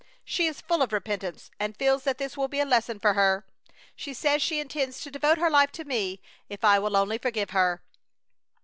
She is full of repentance, and feels that this will be a lesson for her. She says she intends to devote her life to me if I will only forgive her."